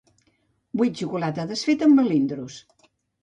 Vull xocolata desfeta amb melindros.